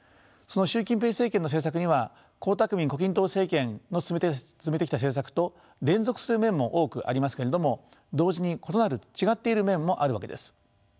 その習近平政権の政策には江沢民胡錦涛政権の進めてきた政策と連続する面も多くありますけれども同時に異なる違っている面もあるわけです。